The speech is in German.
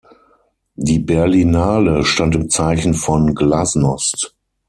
Die Berlinale stand im Zeichen von Glasnost.